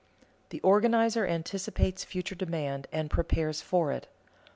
The organizer anticipates future demand, and prepares for it.